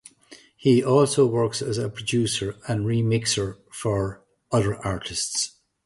He also works as a producer and remixer for other artists.